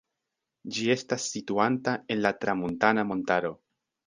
Ĝi estas situanta en la Tramuntana-montaro.